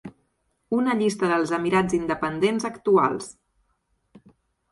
Una llista dels Emirats independents actuals.